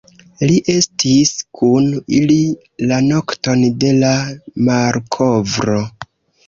Li estis kun ili la nokton de la malkovro.